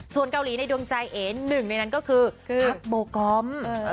ส่วนเกาหลีในดวงใจเอ๋หนึ่งในนั้นก็คือพักโบกอม